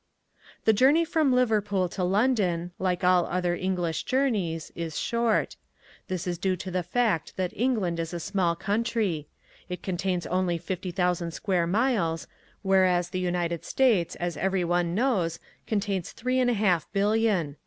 The journey from Liverpool to London, like all other English journeys, is short. This is due to the fact that England is a small country: it contains only 50,000 square miles, whereas the United States, as every one knows, contains three and a half billion.